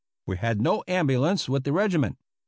We had no ambulance with the regiment.